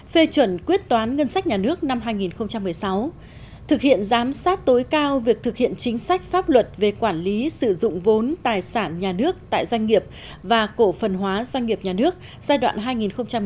phê chuẩn quyết toán ngân sách nhà nước năm hai nghìn một mươi sáu thực hiện giám sát tối cao việc thực hiện chính sách pháp luật về quản lý sử dụng vốn tài sản nhà nước tại doanh nghiệp và cổ phần hóa doanh nghiệp nhà nước giai đoạn hai nghìn một mươi sáu hai nghìn một mươi bảy